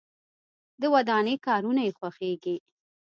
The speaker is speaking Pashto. د ودانۍ کارونه یې خوښیږي.